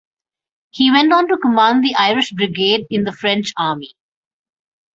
He went on to command the Irish Brigade in the French army.